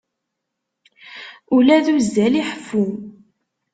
Ula d uzzal iḥeffu.